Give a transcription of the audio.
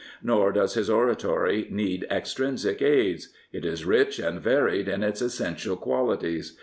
Nor does his oratory need extrinsic aids. It is rich and varied in its essential qualities.